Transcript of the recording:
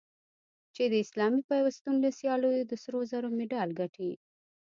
چې د اسلامي پیوستون له سیالیو د سرو زرو مډال ګټي